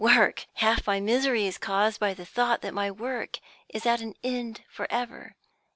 Work! Half my misery is caused by the thought that my work is at an end for ever.